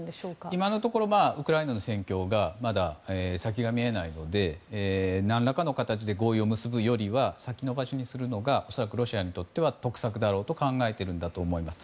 今のところウクライナの戦況がまだ先が見えないので何らかの形で合意を結ぶよりは先延ばしにするほうが恐らくロシアにとっては得策だと考えているんだろうと思います。